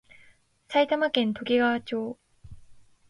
埼玉県ときがわ町